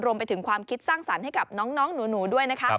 รวมไปถึงความคิดสร้างสรรค์ให้กับน้องหนูด้วยนะคะ